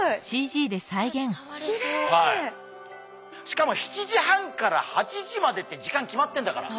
しかも７時半から８時までって時間決まってんだから。